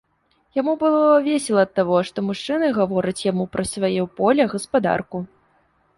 Яму было весела ад таго, што мужчыны гавораць яму пра сваё поле, гаспадарку.